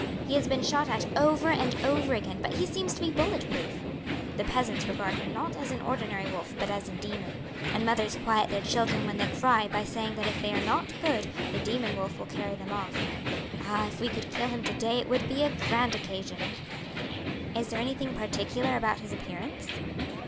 He has been shot at over and over again, but he seems to be bullet proof. "The peasants regard him not as an ordinary wolf but as a demon, and mothers quiet their children when they cry by saying that if they are not good the demon wolf will carry them off. Ah, if we could kill him to day it would be a grand occasion!" "Is there anything particular about his appearance?"